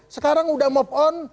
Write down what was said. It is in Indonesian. sekarang udah move on